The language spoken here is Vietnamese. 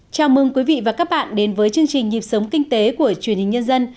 chào mừng quý vị và các bạn đến với chương trình nhịp sống kinh tế của truyền hình nhân dân